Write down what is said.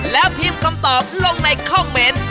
แล้วพิมพ์คำตอบลงในคอมเมนต์